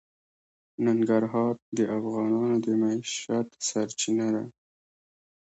ننګرهار د افغانانو د معیشت سرچینه ده.